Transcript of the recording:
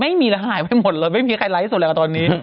ไม่มีละหายไปหมดเราไม่มีใครไล่ที่สุดแหละตอนนี้